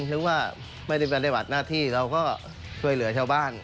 ถึงว่าไม่ได้บรรยาบาทหน้าที่เราก็ช่วยเหลือชาวบ้าน